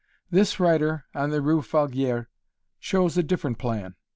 This writer on the rue Falguière chose a different plan.